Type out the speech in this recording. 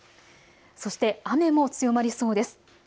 そして雨も強まりそうです。